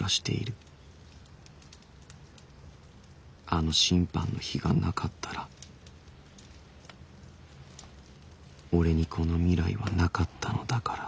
あの審判の日がなかったら俺にこの未来はなかったのだから